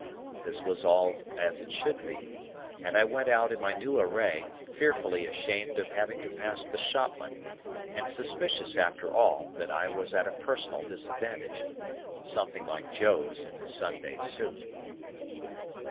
This was all as it should be, and I went out in my new array, fearfully ashamed of having to pass the shopman, and suspicious after all that I was at a personal disadvantage, something like Joe's in his Sunday suit.